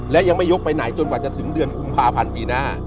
และยังไม่ยกไปไหนจนกว่าจะถึงเดือนกุมภาพันธ์ปีหน้า